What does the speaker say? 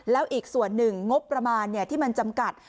แล้วอีกส่วนหนึ่งงบประมาณที่มันจำกัด